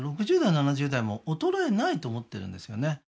６０代７０代も衰えないと思ってるんですよね